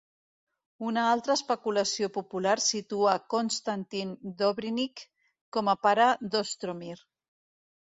Una altra especulació popular situa Konstantin Dobrynich com a pare d'Ostromir.